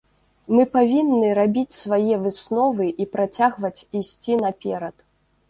Мы павінны рабіць свае высновы і працягваць ісці наперад.